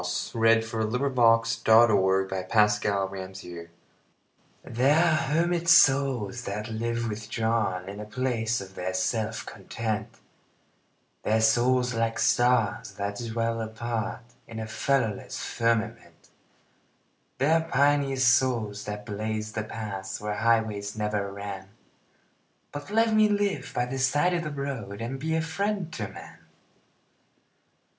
Q R . S T . U V . W X . Y Z The House by the Side of the Road THERE are hermit souls that live withdrawn In the place of their self content; There are souls like stars, that dwell apart, In a fellowless firmament; There are pioneer souls that blaze the paths Where highways never ran But let me live by the side of the road And be a friend to man.